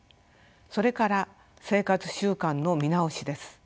それから生活習慣の見直しです。